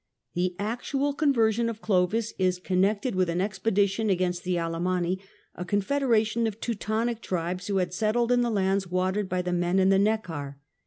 The actual conversion of Clovis is connected with an expedition against the Alemanni, a confederation of Teutonic tribes who had settled in the lands watered by the Maine and the Neckar.